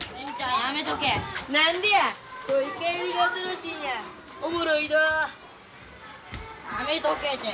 やめとけて。